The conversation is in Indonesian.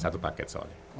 satu paket soalnya